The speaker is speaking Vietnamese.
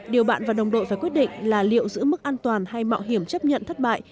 điều bạn và đồng đội phải quyết định là liệu giữ mức an toàn hay mạo hiểm chấp nhận thất bại